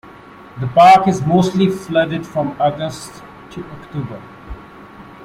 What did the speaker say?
The park is mostly flooded from August to October.